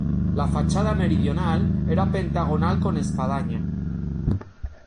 La fachada meridional era pentagonal con espadaña.